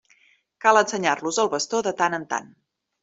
Cal ensenyar-los el bastó de tant en tant.